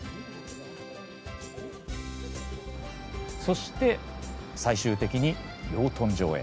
そして最終的に養豚場へ。